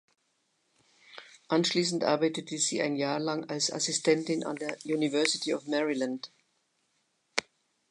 Anschließend arbeitete sie ein Jahr lang als Assistentin an der University of Maryland.